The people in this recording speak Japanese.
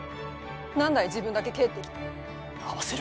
何だい自分だけ帰ってきて。